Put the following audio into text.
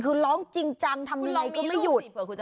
คือร้องจริงจังทำอะไรก็ไม่หยุด